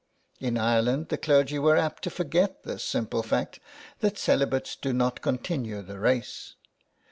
In Ireland the clergy were apt to forget this simple fact that celi bates do not continue the race.